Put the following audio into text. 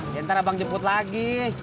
ya ntar abang jemput lagi